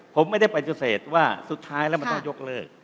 ผมไม่ได้ปฏิเสธว่าสุดท้ายแล้วมันต้องยกเลิก